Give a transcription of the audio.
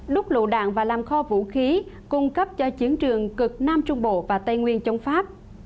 lúc lụ đạn và làm kho vũ khí cung cấp cho chiến trường cực nam trung bộ và tây nguyên chống pháp